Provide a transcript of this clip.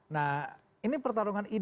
nah ini pertarungan ide